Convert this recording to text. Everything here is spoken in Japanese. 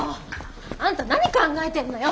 あんた何考えてんのよ。